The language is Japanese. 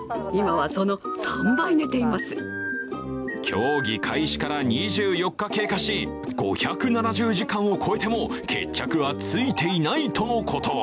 競技開始から２４日経過し５７０時間を超えても決着は着いていないとのこと。